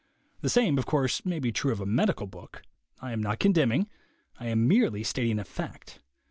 The same, of course, may be true of a medical book. I am not condemning. I am merely stating a fact.